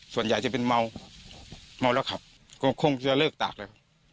ส่วนใหญ่จะเป็นเมาเมาแล้วขับก็คงจะเลิกตากเลยครับ